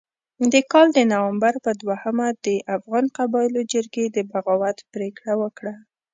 د کال د نومبر په دوهمه د افغان قبایلو جرګې د بغاوت پرېکړه وکړه.